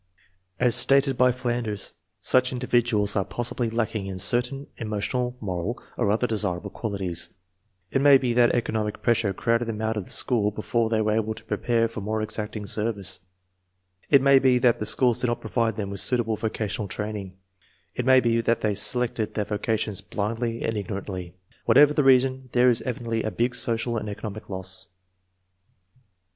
As stated by Flanders, " such individuals are possibly lacking in certain emotional, moral, or other desirable qualities; it may be that economic pres sure crowded them out of school before they were able to prepare for more exacting service; it may be that the schools did not provide them with suitable vocational training; it may be that they selected their vocations blindly and ignorantly . "Whatever the reason there is evidently a big social and economic loss."